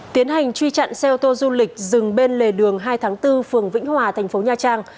tiến hành truy chặn xe ô tô du lịch dừng bên lề đường hai tháng bốn phường vĩnh hòa thành phố nha trang